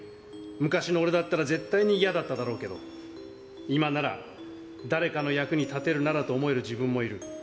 昔の俺だったら絶対に嫌だっただろうけど、今なら、誰かの役に立てるならと思える自分もいる。